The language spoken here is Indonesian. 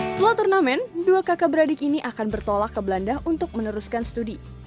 setelah turnamen dua kakak beradik ini akan bertolak ke belanda untuk meneruskan studi